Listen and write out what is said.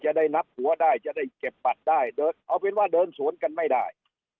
จะได้นับหัวได้จะได้เก็บบัตรได้เดินเอาเป็นว่าเดินสวนกันไม่ได้